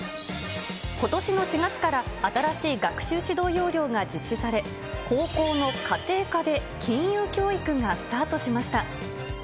ことしの４月から、新しい学習指導要領が実施され、高校の家庭科で金融教育がスタートしました。